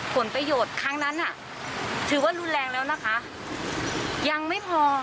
ผลประโยชน์ครั้งนั้นน่ะถือว่ารุนแรงแล้วนะคะยังไม่พอ